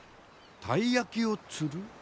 たい焼きを釣る？